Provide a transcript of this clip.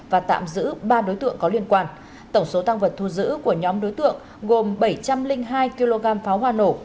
và tạm giữ ba đối tượng có liên quan tổng số tăng vật thu giữ của nhóm đối tượng gồm bảy trăm linh hai kg pháo hoa nổ